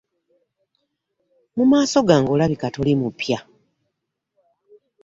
Mu maaso gange olabika toli mupya.